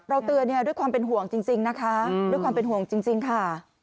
เตือนด้วยความเป็นห่วงจริงนะคะด้วยความเป็นห่วงจริงค่ะ